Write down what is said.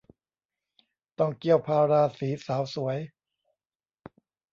ต้องเกี้ยวพาราสีสาวสวย